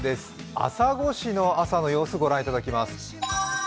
朝来市の朝の様子、御覧いただきます。